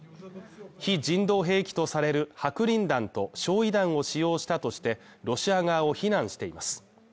非人道兵器とされる白リン弾と焼夷弾を使用したとして、ロシア側を非難しています。